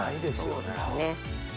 そうですね。